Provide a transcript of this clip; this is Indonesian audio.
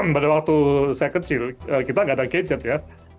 pada waktu saya kecil kita nggak ada gadget ya